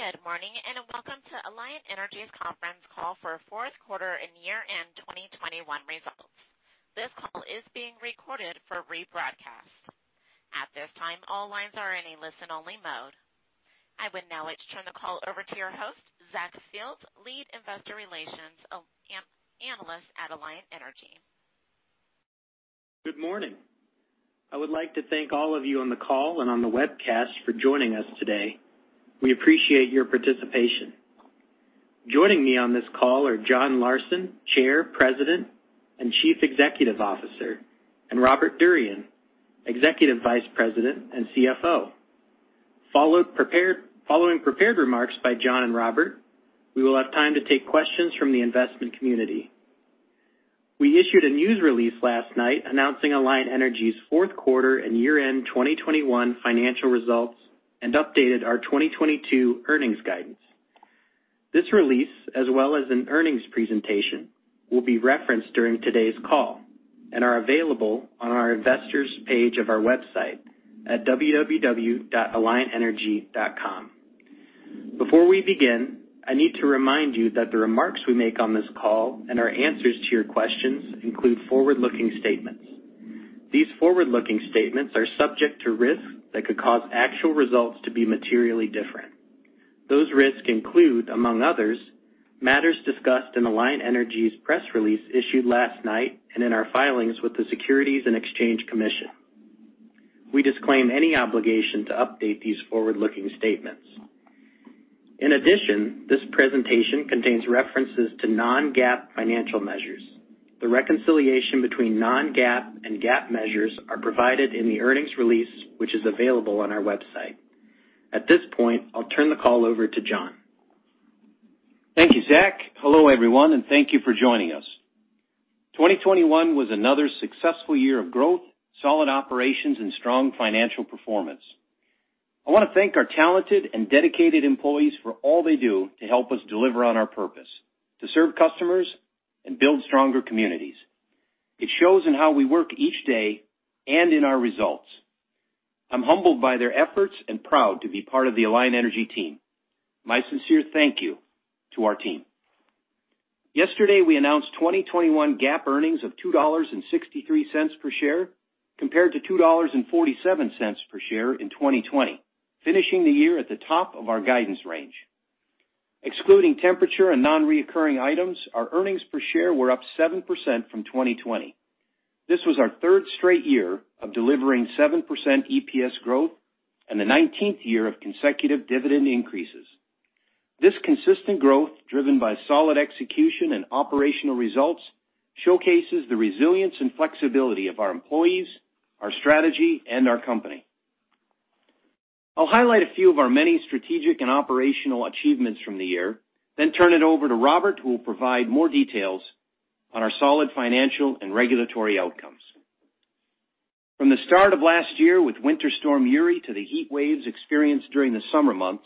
Good morning, and welcome to Alliant Energy's conference call for fourth quarter and year-end 2021 results. This call is being recorded for rebroadcast. At this time, all lines are in a listen-only mode. I would now like to turn the call over to your host, Zach Fields, Lead Investor Relations Analyst at Alliant Energy. Good morning. I would like to thank all of you on the call and on the webcast for joining us today. We appreciate your participation. Joining me on this call are John Larsen, Chair, President, and Chief Executive Officer, and Robert Durian, Executive Vice President and CFO. Following prepared remarks by John and Robert, we will have time to take questions from the investment community. We issued a news release last night announcing Alliant Energy's fourth quarter and year-end 2021 financial results and updated our 2022 earnings guidance. This release, as well as an earnings presentation, will be referenced during today's call and are available on our investors page of our website at www.alliantenergy.com. Before we begin, I need to remind you that the remarks we make on this call and our answers to your questions include forward-looking statements. These forward-looking statements are subject to risks that could cause actual results to be materially different. Those risks include, among others, matters discussed in Alliant Energy's press release issued last night and in our filings with the Securities and Exchange Commission. We disclaim any obligation to update these forward-looking statements. In addition, this presentation contains references to non-GAAP financial measures. The reconciliation between non-GAAP and GAAP measures are provided in the earnings release, which is available on our website. At this point, I'll turn the call over to John. Thank you, Zach. Hello, everyone, and thank you for joining us. 2021 was another successful year of growth, solid operations, and strong financial performance. I wanna thank our talented and dedicated employees for all they do to help us deliver on our purpose, to serve customers and build stronger communities. It shows in how we work each day and in our results. I'm humbled by their efforts and proud to be part of the Alliant Energy team. My sincere thank you to our team. Yesterday, we announced 2021 GAAP earnings of $2.63 per share compared to $2.47 per share in 2020, finishing the year at the top of our guidance range. Excluding temperature and non-recurring items, our earnings per share were up 7% from 2020. This was our third straight year of delivering 7% EPS growth and the nineteenth year of consecutive dividend increases. This consistent growth, driven by solid execution and operational results, showcases the resilience and flexibility of our employees, our strategy, and our company. I'll highlight a few of our many strategic and operational achievements from the year, then turn it over to Robert, who will provide more details on our solid financial and regulatory outcomes. From the start of last year with Winter Storm Uri to the heatwaves experienced during the summer months,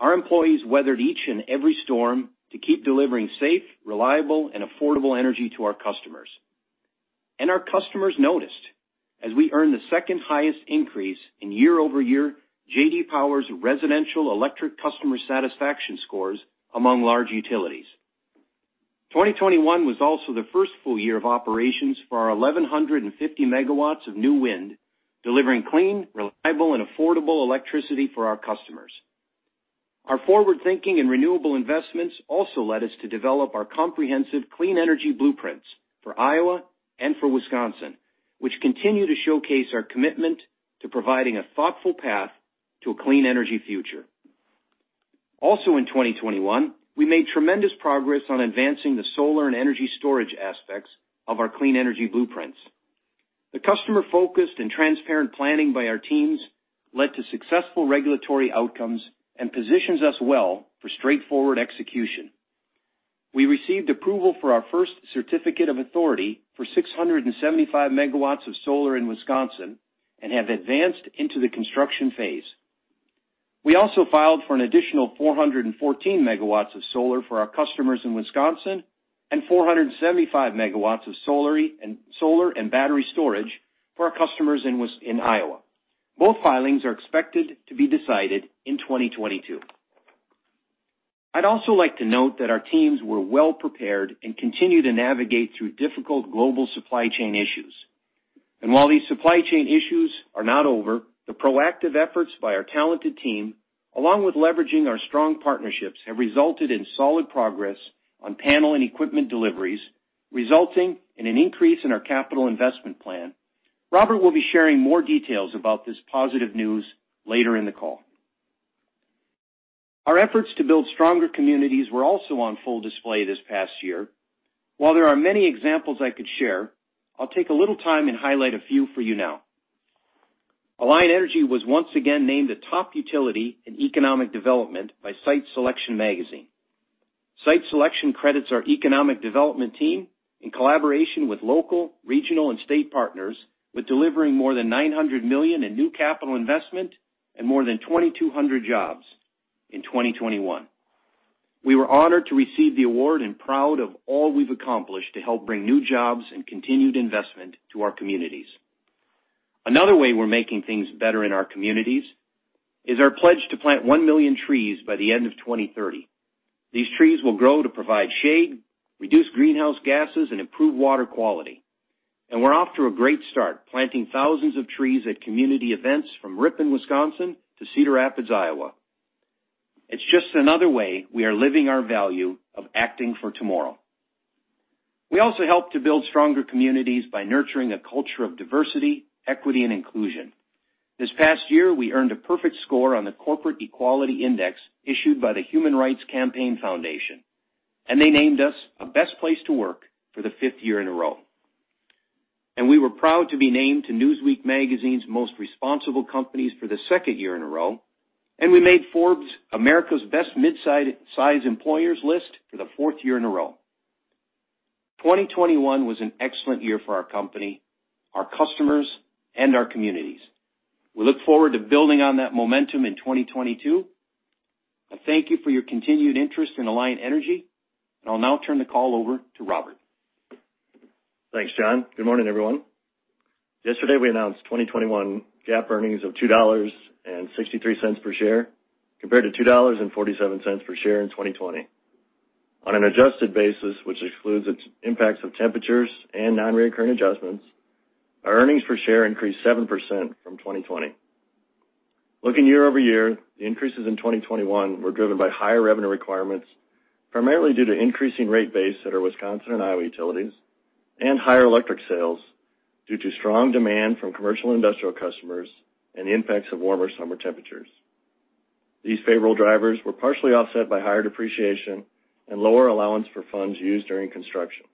our employees weathered each and every storm to keep delivering safe, reliable, and affordable energy to our customers. Our customers noticed, as we earned the second-highest increase in year-over-year J.D. Power's Residential Electric Customer Satisfaction scores among large utilities. 2021 was also the first full year of operations for our 1,150 MW of new wind, delivering clean, reliable, and affordable electricity for our customers. Our forward-thinking and renewable investments also led us to develop our comprehensive clean energy blueprints for Iowa and for Wisconsin, which continue to showcase our commitment to providing a thoughtful path to a clean energy future. Also, in 2021, we made tremendous progress on advancing the solar and energy storage aspects of our clean energy blueprints. The customer-focused and transparent planning by our teams led to successful regulatory outcomes and positions us well for straightforward execution. We received approval for our first certificate of authority for 675 MW of solar in Wisconsin and have advanced into the construction phase. We also filed for an additional 414 megawatts of solar for our customers in Wisconsin and 475 megawatts of solar and battery storage for our customers in Iowa. Both filings are expected to be decided in 2022. I'd also like to note that our teams were well-prepared and continue to navigate through difficult global supply chain issues. While these supply chain issues are not over, the proactive efforts by our talented team, along with leveraging our strong partnerships, have resulted in solid progress on panel and equipment deliveries, resulting in an increase in our capital investment plan. Robert will be sharing more details about this positive news later in the call. Our efforts to build stronger communities were also on full display this past year. While there are many examples I could share, I'll take a little time and highlight a few for you now. Alliant Energy was once again named a top utility in economic development by Site Selection magazine. Site Selection credits our economic development team in collaboration with local, regional, and state partners with delivering more than $900 million in new capital investment and more than 2,200 jobs in 2021. We were honored to receive the award and proud of all we've accomplished to help bring new jobs and continued investment to our communities. Another way we're making things better in our communities is our pledge to plant 1 million trees by the end of 2030. These trees will grow to provide shade, reduce greenhouse gases, and improve water quality. We're off to a great start, planting thousands of trees at community events from Ripon, Wisconsin, to Cedar Rapids, Iowa. It's just another way we are living our value of acting for tomorrow. We also help to build stronger communities by nurturing a culture of diversity, equity, and inclusion. This past year, we earned a perfect score on the Corporate Equality Index issued by the Human Rights Campaign Foundation, and they named us a Best Place to Work for the fifth year in a row. We were proud to be named to Newsweek magazine's Most Responsible Companies for the second year in a row, and we made Forbes America's Best Midsize Employers list for the fourth year in a row. 2021 was an excellent year for our company, our customers, and our communities. We look forward to building on that momentum in 2022. I thank you for your continued interest in Alliant Energy, and I'll now turn the call over to Robert. Thanks, John. Good morning, everyone. Yesterday, we announced 2021 GAAP earnings of $2.63 per share compared to $2.47 per share in 2020. On an adjusted basis, which excludes the impacts of temperatures and nonrecurring adjustments, our earnings per share increased 7% from 2020. Looking year-over-year, the increases in 2021 were driven by higher revenue requirements, primarily due to increasing rate base at our Wisconsin and Iowa utilities and higher electric sales due to strong demand from commercial industrial customers and the impacts of warmer summer temperatures. These favorable drivers were partially offset by higher depreciation and lower allowance for funds used during construction.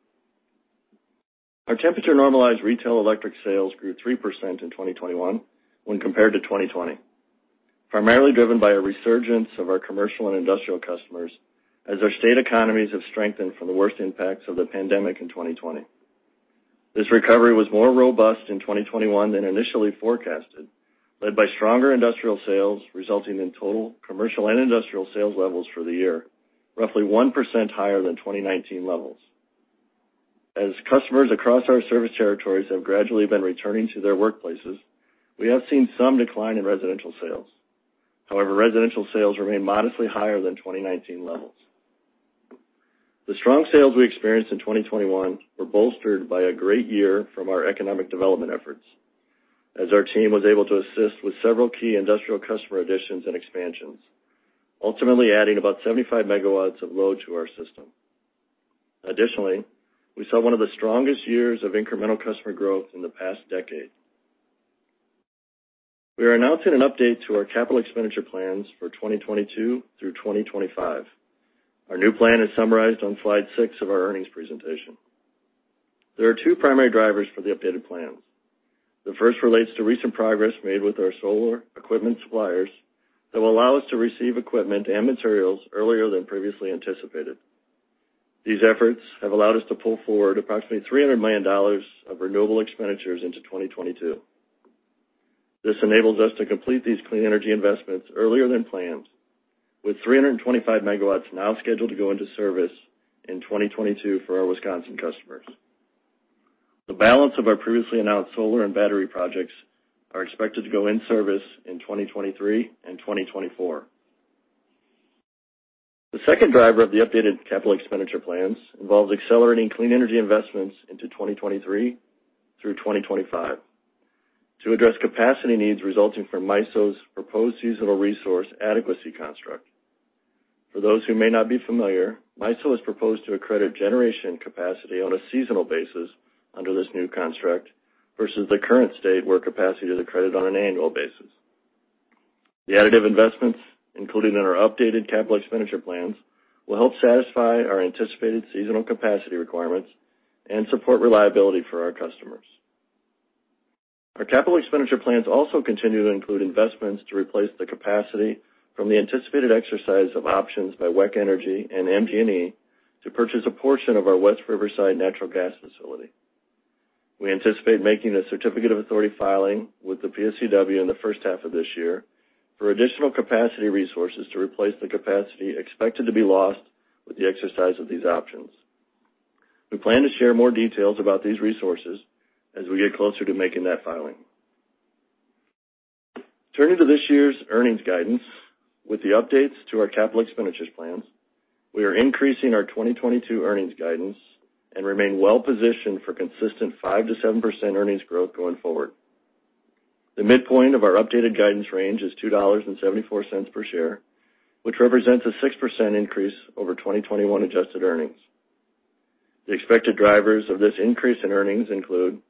Our temperature-normalized retail electric sales grew 3% in 2021 when compared to 2020, primarily driven by a resurgence of our commercial and industrial customers as our state economies have strengthened from the worst impacts of the pandemic in 2020. This recovery was more robust in 2021 than initially forecasted, led by stronger industrial sales, resulting in total commercial and industrial sales levels for the year, roughly 1% higher than 2019 levels. As customers across our service territories have gradually been returning to their workplaces, we have seen some decline in residential sales. However, residential sales remain modestly higher than 2019 levels. The strong sales we experienced in 2021 were bolstered by a great year from our economic development efforts, as our team was able to assist with several key industrial customer additions and expansions, ultimately adding about 75 MW of load to our system. Additionally, we saw one of the strongest years of incremental customer growth in the past decade. We are announcing an update to our capital expenditure plans for 2022 through 2025. Our new plan is summarized on slide 6 of our earnings presentation. There are two primary drivers for the updated plans. The first relates to recent progress made with our solar equipment suppliers that will allow us to receive equipment and materials earlier than previously anticipated. These efforts have allowed us to pull forward approximately $300 million of renewable expenditures into 2022. This enables us to complete these clean energy investments earlier than planned, with 325 MW now scheduled to go into service in 2022 for our Wisconsin customers. The balance of our previously announced solar and battery projects are expected to go in service in 2023 and 2024. The second driver of the updated capital expenditure plans involves accelerating clean energy investments into 2023 through 2025 to address capacity needs resulting from MISO's proposed seasonal resource adequacy construct. For those who may not be familiar, MISO has proposed to accredit generation capacity on a seasonal basis under this new construct versus the current state where capacity is accredited on an annual basis. The additive investments included in our updated capital expenditure plans will help satisfy our anticipated seasonal capacity requirements and support reliability for our customers. Our capital expenditure plans also continue to include investments to replace the capacity from the anticipated exercise of options by WEC Energy and MGE to purchase a portion of our West Riverside natural gas facility. We anticipate making a certificate of authority filing with the PSCW in the first half of this year for additional capacity resources to replace the capacity expected to be lost with the exercise of these options. We plan to share more details about these resources as we get closer to making that filing. Turning to this year's earnings guidance, with the updates to our capital expenditures plans, we are increasing our 2022 earnings guidance and remain well-positioned for consistent 5%-7% earnings growth going forward. The midpoint of our updated guidance range is $2.74 per share, which represents a 6% increase over 2021 adjusted earnings. The expected drivers of this increase in earnings include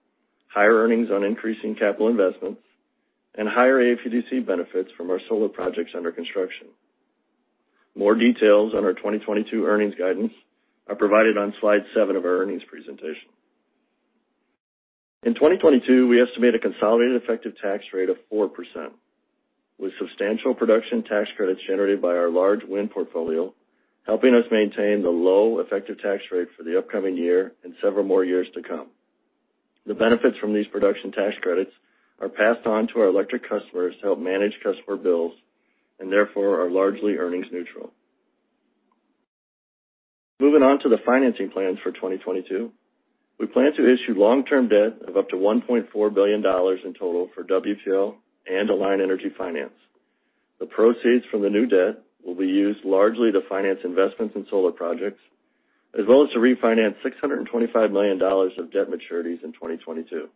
higher earnings on increasing capital investments and higher AFUDC benefits from our solar projects under construction. More details on our 2022 earnings guidance are provided on slide 7 of our earnings presentation. In 2022, we estimate a consolidated effective tax rate of 4%, with substantial production tax credits generated by our large wind portfolio, helping us maintain the low effective tax rate for the upcoming year and several more years to come. The benefits from these production tax credits are passed on to our electric customers to help manage customer bills and therefore are largely earnings neutral. Moving on to the financing plans for 2022. We plan to issue long-term debt of up to $1.4 billion in total for WPL and Alliant Energy Finance. The proceeds from the new debt will be used largely to finance investments in solar projects, as well as to refinance $625 million of debt maturities in 2022.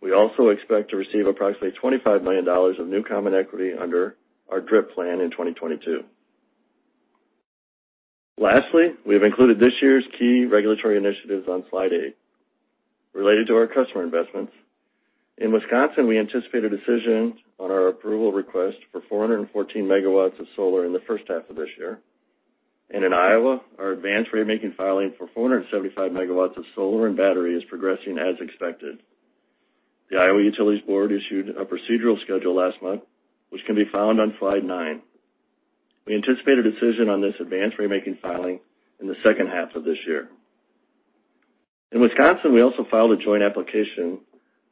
We also expect to receive approximately $25 million of new common equity under our DRIP plan in 2022. Lastly, we have included this year's key regulatory initiatives on slide 8. Related to our customer investments, in Wisconsin, we anticipate a decision on our approval request for 414 MW of solar in the first half of this year. In Iowa, our advanced ratemaking filing for 475 MW of solar and battery is progressing as expected. The Iowa Utilities Board issued a procedural schedule last month, which can be found on slide 9. We anticipate a decision on this advanced ratemaking filing in the second half of this year. In Wisconsin, we also filed a joint application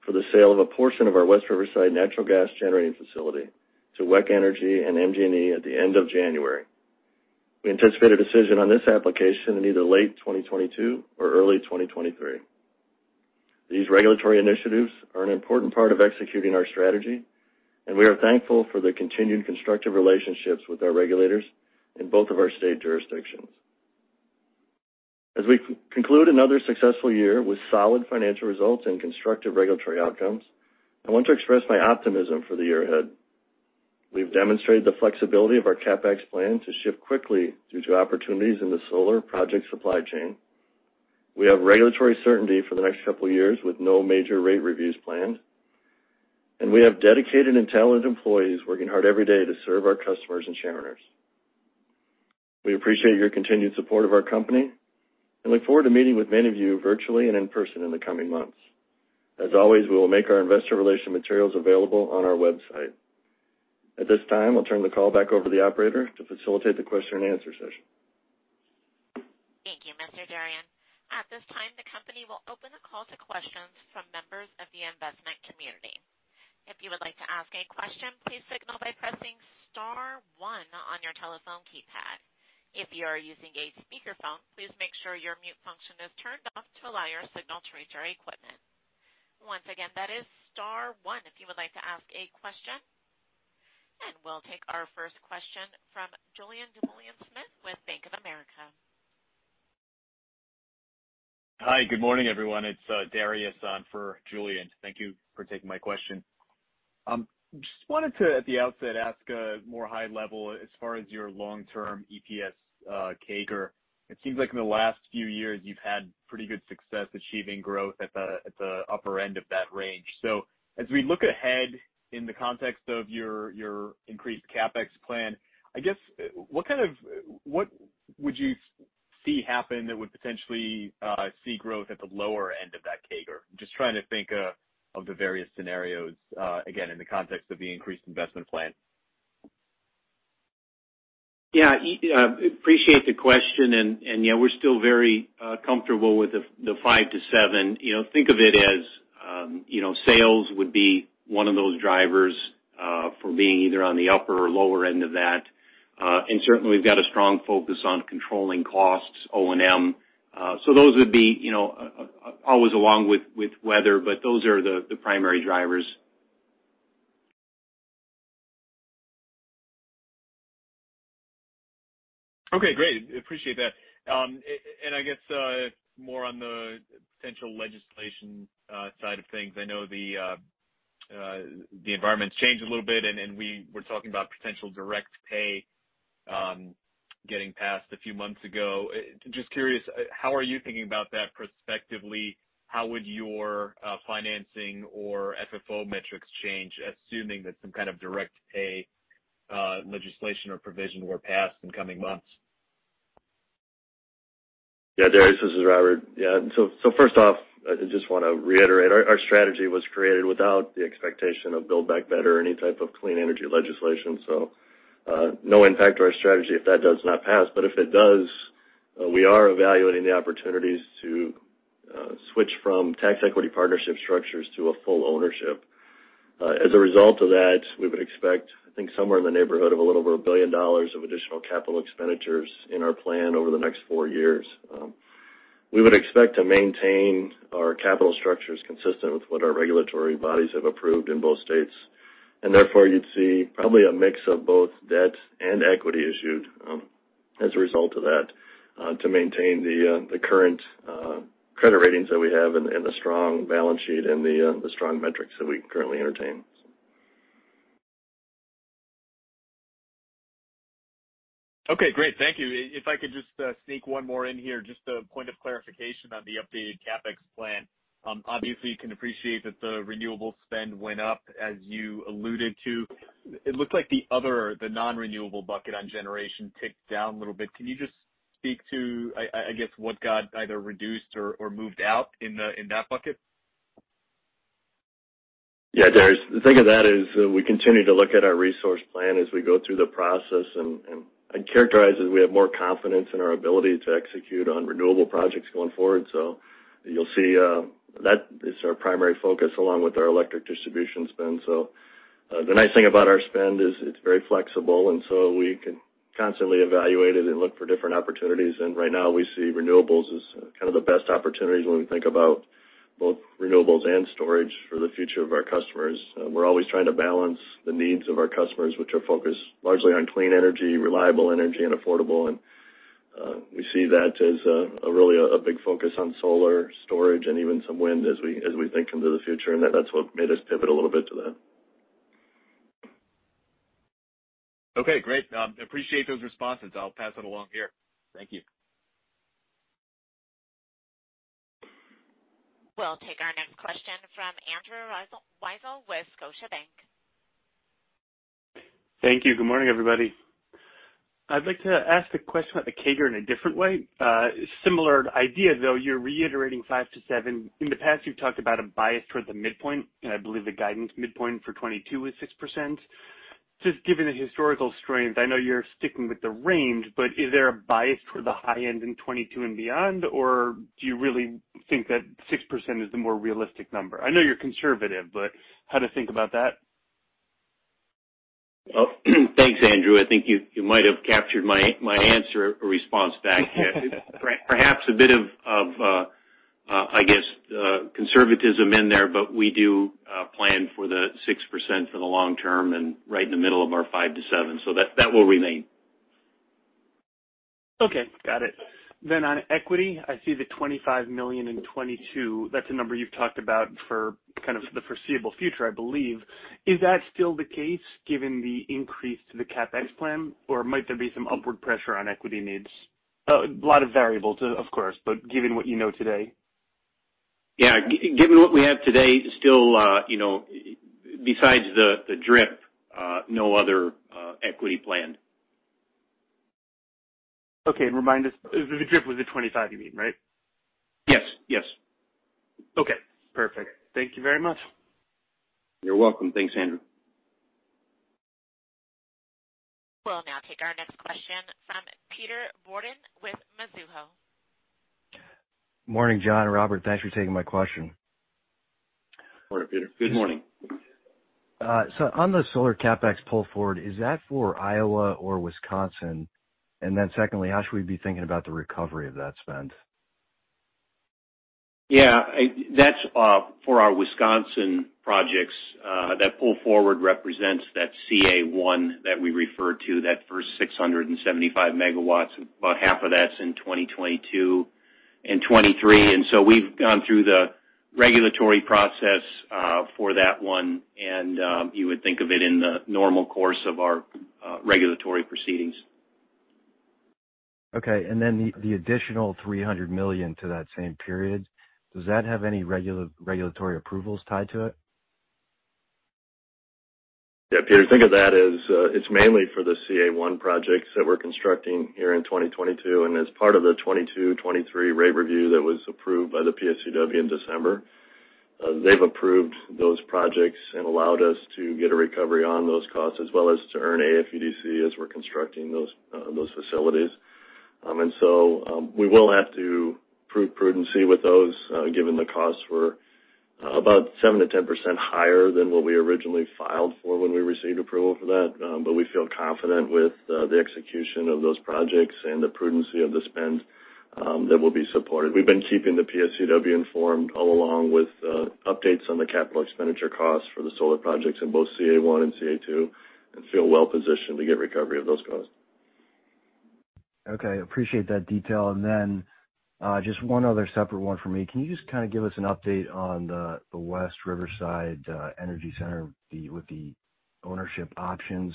for the sale of a portion of our West Riverside natural gas generating facility to WEC Energy Group and MGE at the end of January. We anticipate a decision on this application in either late 2022 or early 2023. These regulatory initiatives are an important part of executing our strategy, and we are thankful for the continued constructive relationships with our regulators in both of our state jurisdictions. As we conclude another successful year with solid financial results and constructive regulatory outcomes, I want to express my optimism for the year ahead. We've demonstrated the flexibility of our CapEx plan to shift quickly due to opportunities in the solar project supply chain. We have regulatory certainty for the next couple of years with no major rate reviews planned. We have dedicated and talented employees working hard every day to serve our customers and shareholders. We appreciate your continued support of our company and look forward to meeting with many of you virtually and in person in the coming months. As always, we will make our investor relations materials available on our website. At this time, I'll turn the call back over to the operator to facilitate the question-and-answer session. Thank you, Mr. Durian. At this time, the company will open the call to questions from members of the investment community. If you would like to ask a question, please signal by pressing star one on your telephone keypad. If you are using a speakerphone, please make sure your mute function is turned off to allow your signal to reach our equipment. Once again, that is star one if you would like to ask a question. We'll take our first question from Julien Dumoulin-Smith with Bank of America. Hi, good morning, everyone. It's Darius on for Julien. Thank you for taking my question. Just wanted to, at the outset, ask a more high level as far as your long-term EPS CAGR. It seems like in the last few years, you've had pretty good success achieving growth at the upper end of that range. As we look ahead in the context of your increased CapEx plan, I guess what would you see happen that would potentially see growth at the lower end of that CAGR. Just trying to think of the various scenarios, again, in the context of the increased investment plan. Yeah, appreciate the question. You know, we're still very comfortable with the 5%-7%. You know, think of it as you know, sales would be one of those drivers for being either on the upper or lower end of that. Certainly we've got a strong focus on controlling costs, O&M. Those would be you know always along with weather, but those are the primary drivers. Okay, great. Appreciate that. I guess more on the potential legislation side of things. I know the environment's changed a little bit, and we were talking about potential direct pay getting passed a few months ago. Just curious, how are you thinking about that prospectively? How would your financing or FFO metrics change, assuming that some kind of direct pay legislation or provision were passed in coming months? Yeah, Darius, this is Robert. Yeah, so first off, I just wanna reiterate, our strategy was created without the expectation of Build Back Better or any type of clean energy legislation. No impact to our strategy if that does not pass. If it does, we are evaluating the opportunities to switch from tax equity partnership structures to a full ownership. As a result of that, we would expect, I think, somewhere in the neighborhood of a little over $1 billion of additional capital expenditures in our plan over the next four years. We would expect to maintain our capital structures consistent with what our regulatory bodies have approved in both states. Therefore, you'd see probably a mix of both debt and equity issued, as a result of that, to maintain the current credit ratings that we have and the strong balance sheet and the strong metrics that we currently entertain. Okay, great. Thank you. If I could just sneak one more in here, just a point of clarification on the updated CapEx plan. Obviously, you can appreciate that the renewable spend went up, as you alluded to. It looked like the other, the non-renewable bucket on generation ticked down a little bit. Can you just speak to, I guess, what got either reduced or moved out in that bucket? Yeah, Dari, the thing of that is we continue to look at our resource plan as we go through the process, and I'd characterize it, we have more confidence in our ability to execute on renewable projects going forward. You'll see that is our primary focus along with our electric distribution spend. The nice thing about our spend is it's very flexible, and we can constantly evaluate it and look for different opportunities. Right now we see renewables as kind of the best opportunities when we think about both renewables and storage for the future of our customers. We're always trying to balance the needs of our customers, which are focused largely on clean energy, reliable energy, and affordable. We see that as a really big focus on solar storage and even some wind as we think into the future. That's what made us pivot a little bit to that. Okay, great. Appreciate those responses. I'll pass it along here. Thank you. We'll take our next question from Andrew Weisel with Scotiabank. Thank you. Good morning, everybody. I'd like to ask a question about the CAGR in a different way. Similar idea though, you're reiterating 5%-7%. In the past, you've talked about a bias towards the midpoint, and I believe the guidance midpoint for 2022 is 6%. Just given the historical strength, I know you're sticking with the range, but is there a bias toward the high end in 2022 and beyond? Or do you really think that 6% is the more realistic number? I know you're conservative, but how to think about that? Well, thanks, Andrew. I think you might have captured my answer or response back. Perhaps a bit of conservatism in there, but we do plan for the 6% for the long term and right in the middle of our 5%-7%. That will remain. Okay, got it. On equity, I see the $25 million in 2022. That's a number you've talked about for kind of the foreseeable future, I believe. Is that still the case given the increase to the CapEx plan? Or might there be some upward pressure on equity needs? A lot of variables, of course, but given what you know today. Yeah. Given what we have today, still, you know, besides the DRIP, no other equity planned. Okay. Remind us, the DRIP was at 25, you mean, right? Yes. Yes. Okay, perfect. Thank you very much. You're welcome. Thanks, Andrew. We'll now take our next question from Peter Borden with Mizuho. Morning, John and Robert. Thanks for taking my question. Morning, Peter. Good morning. On the solar CapEx pull forward, is that for Iowa or Wisconsin? Secondly, how should we be thinking about the recovery of that spend? That's for our Wisconsin projects. That pull forward represents that CA 1 that we referred to, that first 675 MW. About half of that's in 2022 and 2023. We've gone through the regulatory process for that one. You would think of it in the normal course of our regulatory proceedings. Okay. The additional $300 million to that same period, does that have any regulatory approvals tied to it? Yeah, Peter, think of that as, it's mainly for the CA 1 projects that we're constructing here in 2022, and as part of the 2022, 2023 rate review that was approved by the PSCW in December. They've approved those projects and allowed us to get a recovery on those costs as well as to earn AFUDC as we're constructing those facilities. We will have to prove prudency with those, given the costs were about 7%-10% higher than what we originally filed for when we received approval for that. We feel confident with the execution of those projects and the prudency of the spend, that will be supported. We've been keeping the PSCW informed all along with updates on the capital expenditure costs for the solar projects in both CA 1 and CA 2 and feel well positioned to get recovery of those costs. Okay, appreciate that detail. Just one other separate one for me. Can you just kind of give us an update on the West Riverside Energy Center with the ownership options?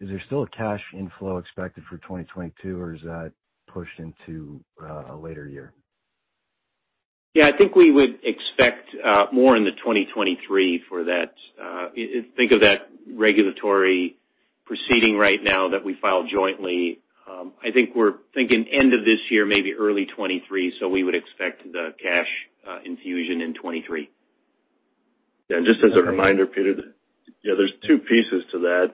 Is there still a cash inflow expected for 2022, or is that pushed into a later year? Yeah, I think we would expect more in the 2023 for that. Think of that regulatory proceeding right now that we filed jointly. I think we're thinking end of this year, maybe early 2023. We would expect the cash infusion in 2023. Just as a reminder, Peter, there are two pieces to that.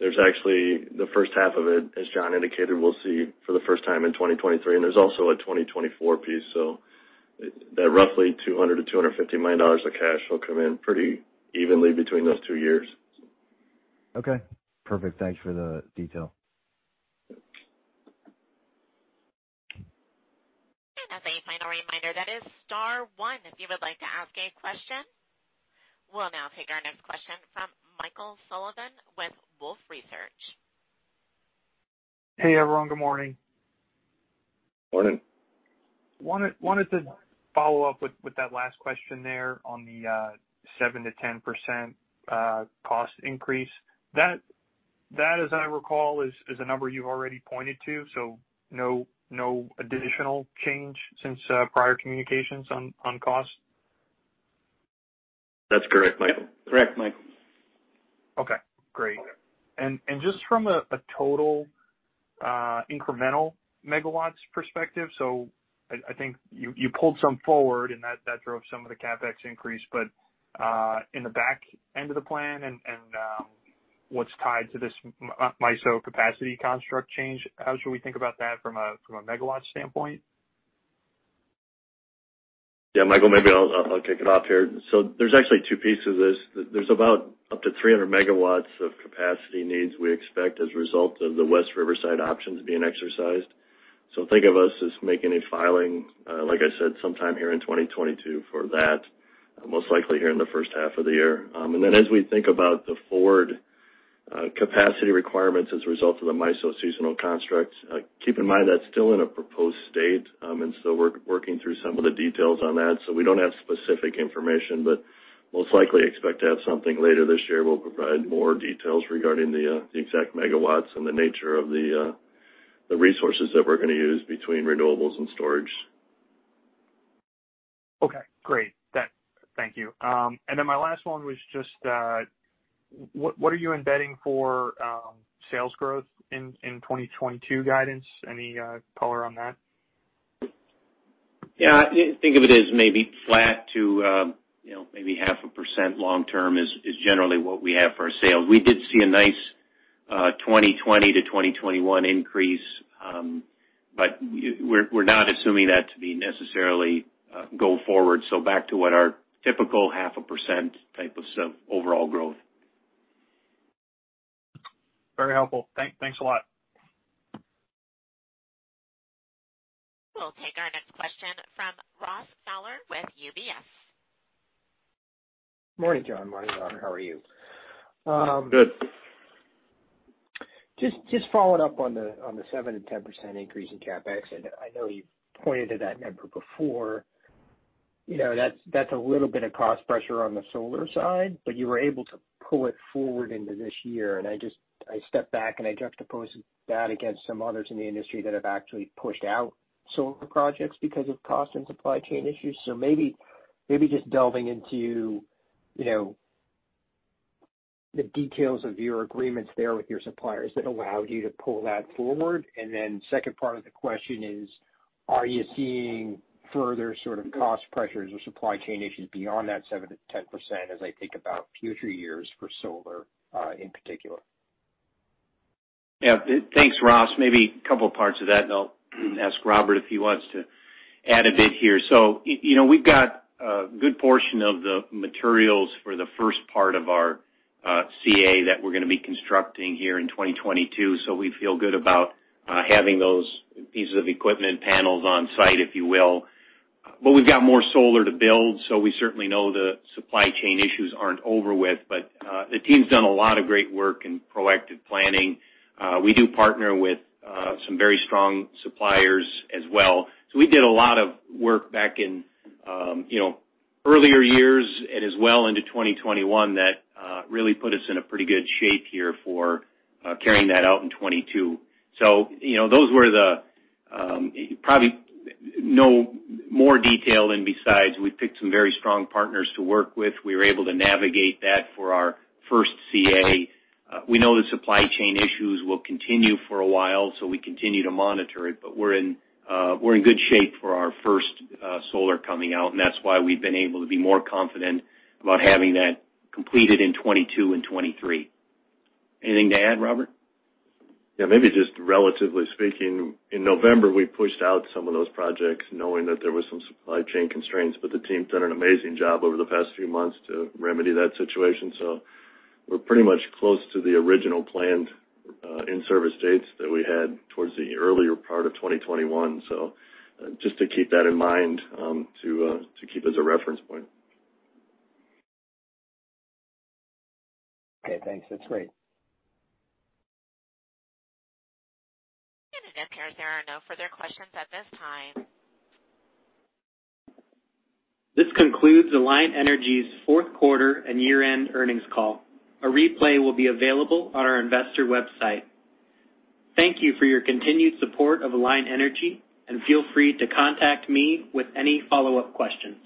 There's actually the first half of it, as John indicated, we'll see for the first time in 2023, and there's also a 2024 piece. That roughly $200-$250 million of cash will come in pretty evenly between those two years. Okay, perfect. Thanks for the detail. As a final reminder, that is star one if you would like to ask a question. We'll now take our next question from Michael Sullivan with Wolfe Research. Hey, everyone. Good morning. Morning. I wanted to follow up with that last question there on the 7%-10% cost increase. That, as I recall, is a number you've already pointed to, so no additional change since prior communications on cost? That's correct, Michael. Correct, Michael. Just from a total incremental megawatts perspective, I think you pulled some forward and that drove some of the CapEx increase. In the back end of the plan and what's tied to this MISO capacity construct change, how should we think about that from a megawatt standpoint? Yeah, Michael, maybe I'll kick it off here. There's actually two pieces of this. There's about up to 300 MW of capacity needs we expect as a result of the West Riverside options being exercised. Think of us as making a filing, like I said, sometime here in 2022 for that, most likely here in the first half of the year. As we think about the forward capacity requirements as a result of the MISO seasonal constructs, keep in mind that's still in a proposed state, and so we're working through some of the details on that. We don't have specific information, but most likely expect to have something later this year. We'll provide more details regarding the exact megawatts and the nature of the resources that we're gonna use between renewables and storage. Okay, great. Thank you. My last one was just, what are you embedding for, sales growth in 2022 guidance? Any color on that? Yeah, think of it as maybe flat to, you know, maybe 0.5% long term is generally what we have for our sales. We did see a nice 2020 to 2021 increase, but we're not assuming that to be necessarily go forward. Back to what our typical 0.5% type of sort of overall growth. Very helpful. Thanks a lot. We'll take our next question from Ross Fowler with UBS. Morning, John. Morning, Robert. How are you? Good. Just following up on the 7%-10% increase in CapEx. I know you pointed to that number before. You know, that's a little bit of cost pressure on the solar side, but you were able to pull it forward into this year. I just stepped back and I juxtaposed that against some others in the industry that have actually pushed out solar projects because of cost and supply chain issues. Maybe just delving into, you know, the details of your agreements there with your suppliers that allowed you to pull that forward. Then second part of the question is, are you seeing further sort of cost pressures or supply chain issues beyond that 7%-10% as I think about future years for solar, in particular? Yeah, thanks, Ross. Maybe a couple of parts of that, and I'll ask Robert if he wants to add a bit here. You know, we've got a good portion of the materials for the first part of our CA that we're gonna be constructing here in 2022. We feel good about having those pieces of equipment, panels on site, if you will. We've got more solar to build, so we certainly know the supply chain issues aren't over with. The team's done a lot of great work in proactive planning. We do partner with some very strong suppliers as well. We did a lot of work back in you know, earlier years and as well into 2021 that really put us in a pretty good shape here for carrying that out in 2022. You know, those were the probably no more detail than besides, we picked some very strong partners to work with. We were able to navigate that for our first CA. We know the supply chain issues will continue for a while, so we continue to monitor it. We're in good shape for our first solar coming out, and that's why we've been able to be more confident about having that completed in 2022 and 2023. Anything to add, Robert? Yeah, maybe just relatively speaking, in November, we pushed out some of those projects knowing that there was some supply chain constraints. The team's done an amazing job over the past few months to remedy that situation. We're pretty much close to the original planned in-service dates that we had toward the earlier part of 2021. Just to keep that in mind, to keep as a reference point. Okay, thanks. That's great. The operator, there are no further questions at this time. This concludes Alliant Energy's fourth quarter and year-end earnings call. A replay will be available on our investor website. Thank you for your continued support of Alliant Energy and feel free to contact me with any follow-up questions.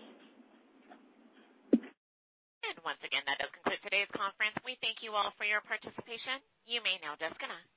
Once again, that does conclude today's conference. We thank you all for your participation. You may now disconnect.